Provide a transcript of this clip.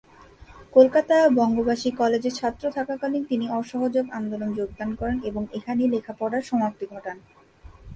কলকাতা বঙ্গবাসী কলেজে ছাত্র থাকাকালীন তিনি অসহযোগ আন্দোলনে যোগদান করেন এবং এখানেই লেখাপড়ার সমাপ্তি ঘটান।